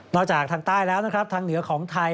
จากทางใต้แล้วนะครับทางเหนือของไทย